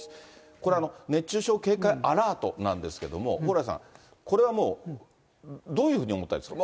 これは熱中症警戒アラートなんですけれども、蓬莱さん、これはもうどういうふうに思ったらいいですか？